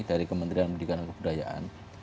dari kementerian pendidikan dan kebudayaan